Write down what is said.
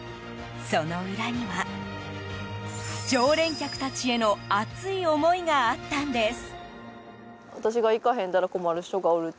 その裏には常連客たちへの熱い思いがあったんです。